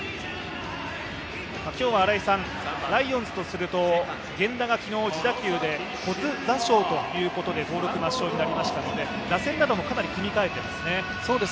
今日はライオンズとすると源田が昨日、自打球で骨挫傷ということで登録抹消になりましたので、打線などもかなり組み換えていますね。